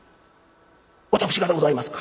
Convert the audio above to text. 「私がでございますか！？」。